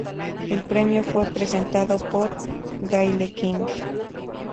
El premio fue presentado por Gayle King.